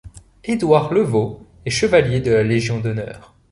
Édouard Leveau est chevalier de la Légion d'honneur.